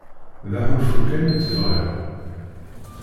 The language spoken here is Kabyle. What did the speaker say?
D aḥulfu kan i tt-bɣiɣ.